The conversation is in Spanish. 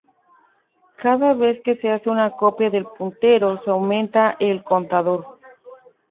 Cada vez que se hace una copia del puntero, se aumenta el contador.